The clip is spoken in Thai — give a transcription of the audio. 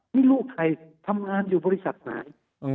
นี่ลูกใครทำงานอยู่บริษัทไหน